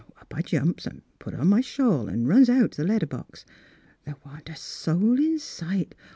" Up I jumps an' puts on my shawl an' runs out t' the letter box. The' wa' n't a soul in sight.